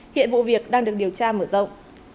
hiện vụ việc đang được điều tra mở rộng